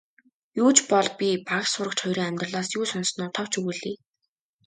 Юу ч бол би багш сурагч хоёрын амьдралаас юу сонссоноо товч өгүүлье.